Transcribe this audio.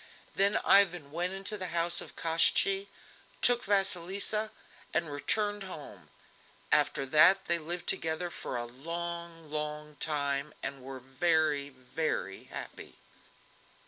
Then Ivan went into the house of Koshchei, took Vasilisa, and returned home. After that they lived together for a long, long time, and were very, very happy.